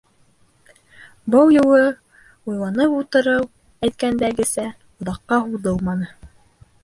Был юлы уйланып ултырыу, әйткәндәгесә, оҙаҡҡа һуҙылманы.